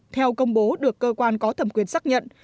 theo công bố được cơ quan có thẩm quyền xác nhận